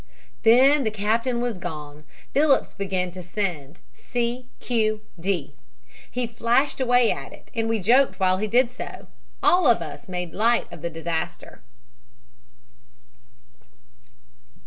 "Then the captain was gone Phillips began to send 'C. Q. D.' He flashed away at it and we joked while he did so. All of us made light of the disaster.